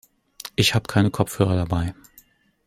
Ich hab keine Kopfhörer dabei.